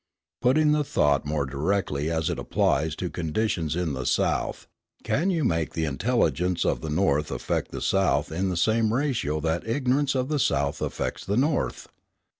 Putting the thought more directly as it applies to conditions in the South, can you make the intelligence of the North affect the South in the same ratio that the ignorance of the South affects the North?